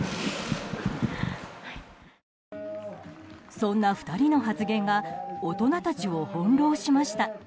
そんな２人の発言が大人たちをほんろうしました。